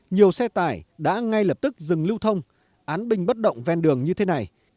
nhiều xe tải đã ngay lập tức dừng lưu thông án bình bất động ven đường như thế này